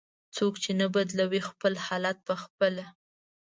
"څوک چې نه بدلوي خپل حالت په خپله".